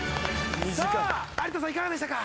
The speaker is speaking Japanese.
さあ有田さんいかがでしたか？